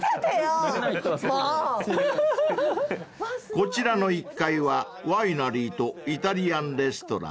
［こちらの１階はワイナリーとイタリアンレストラン］